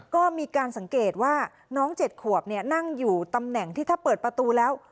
ก็มีการสังเกตว่าน้อง๗ขวบนั่งอยู่ตำแหน่งที่ถ้าเปิดประตูแล้ว